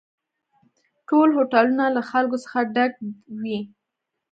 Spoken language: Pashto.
ټول هوټلونه له خلکو څخه ډک وي